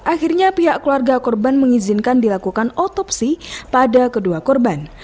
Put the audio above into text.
akhirnya pihak keluarga korban mengizinkan dilakukan otopsi pada kedua korban